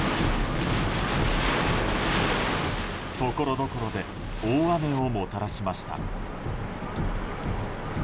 ところどころで大雨をもたらしました。